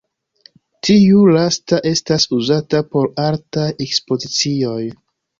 Tiu lasta estas uzata por artaj ekspozicioj.